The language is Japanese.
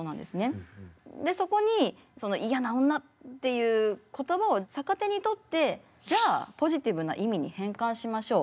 でそこにその嫌な女っていう言葉を逆手にとってじゃあポジティブな意味に変換しましょう。